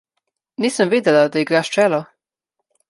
Nisem vedela, da igraš čelo.